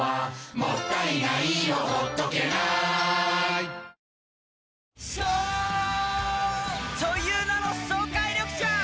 「もったいないをほっとけない」颯という名の爽快緑茶！